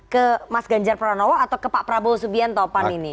ke mas ganjar pranowo atau ke pak prabowo subianto pan ini